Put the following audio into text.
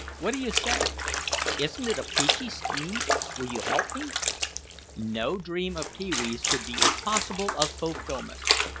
What do you say? Isn't it a peachy scheme? Will you help me?" No dream of Pee wee's could be impossible of fulfillment.